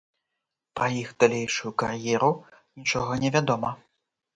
Пра іх далейшую кар'еру нічога не вядома.